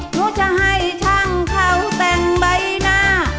หนูจะให้ช่างเขาแต่งใบหน้า